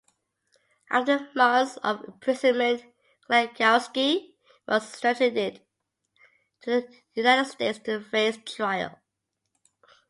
After months of imprisonment, Glatkowski was extradited to the United States to face trial.